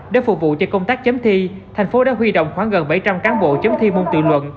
để phục vụ cho công tác chấm thi thành phố đã huy động khoảng gần bảy trăm linh cán bộ chấm thi môn tự luận